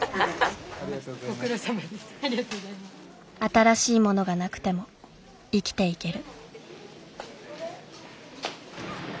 新しい物がなくても生きていける。